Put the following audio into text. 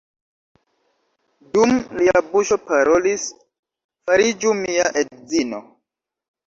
Dum lia buŝo parolis: fariĝu mia edzino!